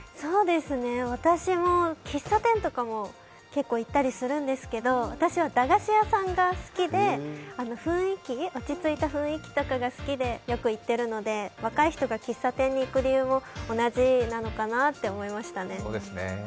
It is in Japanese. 私も喫茶店とかも結構行ったりするんですけど、私は駄菓子屋さんが好きで、落ち着いた雰囲気とかが好きでよく行っているので、若い人が喫茶店に行く理由も同じなのかなと思いましたね。